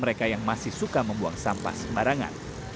mereka yang masih suka membuang sampah sembarangan